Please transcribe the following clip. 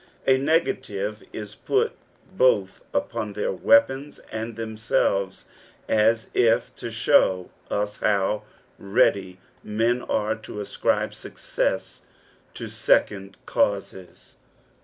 A negative is put both upon their weapons and themselves as if to show us how ready men are to ascribe success to second causes.